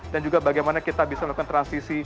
dan juga bagaimana kita bisa melakukan transisi